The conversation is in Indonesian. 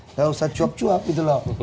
nggak usah cuap cuap gitu loh